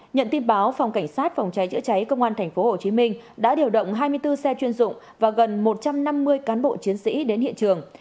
nhận tin báo phòng cảnh sát phòng cháy chữa cháy công an tp hcm đã điều động hai mươi bốn xe chuyên dụng và gần một trăm năm mươi cán bộ chiến sĩ đến hiện trường